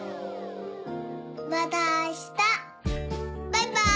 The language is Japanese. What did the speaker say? バイバーイ。